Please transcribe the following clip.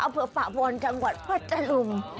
อเผือฝ่าวนจังหวัดพระจรุง